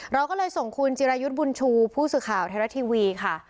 เราก็เลยส่งคุณจิรายุทธ์บุญชูผู้สื่อข่าวไทยรัฐทีวีค่ะ